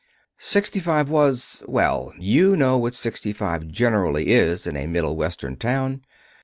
Sixty five was well, you know what sixty five generally is in a small Middle Western town.